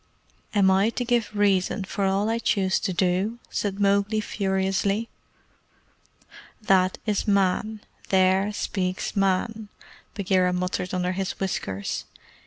"Am I to give reason for all I choose to, do?" said Mowgli furiously. "That is Man! There speaks Man!" Bagheera muttered under his whiskers.